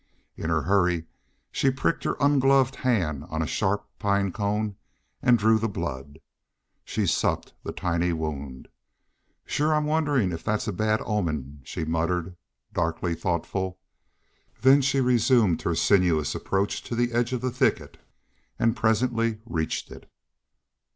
In her hurry she pricked her ungloved hand on a sharp pine cone and drew the blood. She sucked the tiny wound. "Shore I'm wonderin' if that's a bad omen," she muttered, darkly thoughtful. Then she resumed her sinuous approach to the edge of the thicket, and presently reached it.